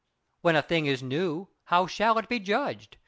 When a thing is new how shall it be judged?